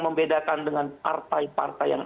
membedakan dengan partai partai yang